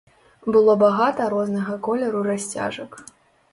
Было багата рознага колеру расцяжак.